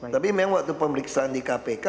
tapi memang waktu pemeriksaan di kpk